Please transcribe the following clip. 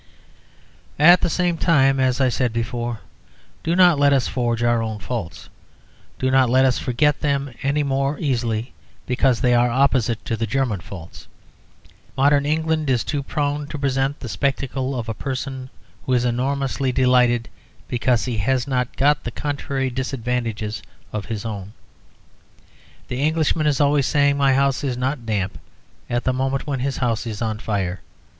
At the same time, as I said before, do not let us forged our own faults. Do not let us forget them any the more easily because they are the opposite to the German faults. Modern England is too prone to present the spectacle of a person who is enormously delighted because he has not got the contrary disadvantages to his own. The Englishman is always saying "My house is not damp" at the moment when his house is on fire.